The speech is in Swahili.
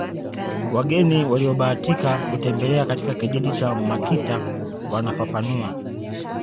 Wageni waliobahatika kutembelea katika kijiji cha Makita wanafafanua